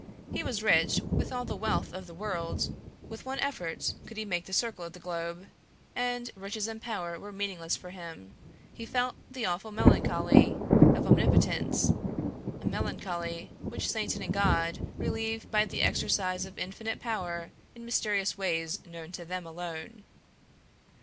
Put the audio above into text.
He was rich with all the wealth of the world, with one effort he could make the circle of the globe, and riches and power were meaningless for him. He felt the awful melancholy of omnipotence, a melancholy which Satan and God relieve by the exercise of infinite power in mysterious ways known to them alone.